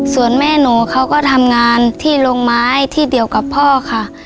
ส่วนแม่หนูเขาก็ทำงานที่โรงไม้ที่เดียวกับพ่อค่ะ